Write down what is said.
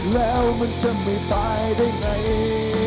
แล้วมันจะไม่ตายได้ไง